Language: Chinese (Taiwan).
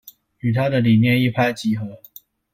與她的理念一拍即合